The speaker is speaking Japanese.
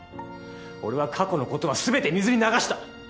俺は過去の事は全て水に流した。